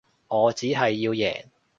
我只係要贏